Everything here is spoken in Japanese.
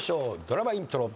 ドラマイントロ。